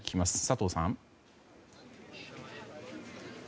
佐藤さん！